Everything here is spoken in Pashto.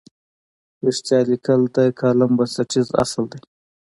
رښتیا لیکل د کالم بنسټیز اصل دی.